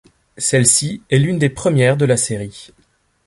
Celle-ci est l'une des premières de la série.